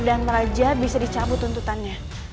dan raja bisa dicabut tuntutannya